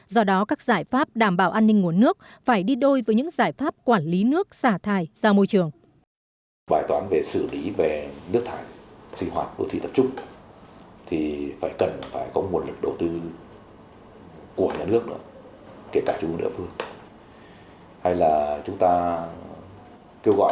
do đó các giải pháp đảm bảo an ninh nguồn nước phải đi đôi với những giải pháp quản lý nước xả thải ra môi trường